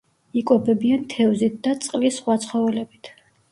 იკვებებიან თევზით და წყლის სხვა ცხოველებით.